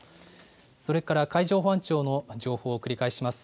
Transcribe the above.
それから海上保安庁の情報を繰り返します。